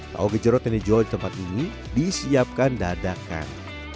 tahu gejorot yang dijual di tempat ini disiapkan dadakan